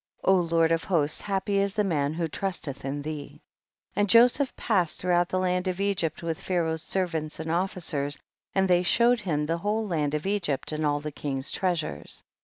O Lord of hosts, happy is the man who trusteth in thee. 31. And Joseph passed through out the land of Egypt with Pharaoh's servants and officers, and they show ed him the whole land of Egypt and all the king's treasures.